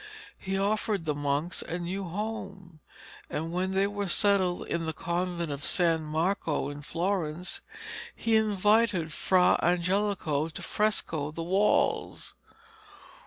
He offered the monks a new home, and, when they were settled in the convent of San Marco in Florence, he invited Fra Angelico to fresco the walls.